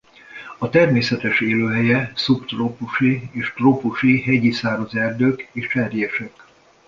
A természetes élőhelye szubtrópusi és trópusi hegyi száraz erdők és cserjések.